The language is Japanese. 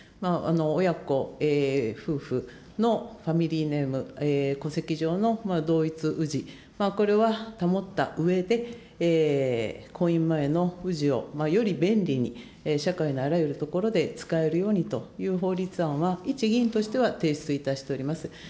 親子、夫婦のファミリーネーム、戸籍上の同一氏、これは保ったうえで、婚姻前の氏を、より便利に社会のあらゆるところで使えるようにという法律案は、一議員としては提出いたしております。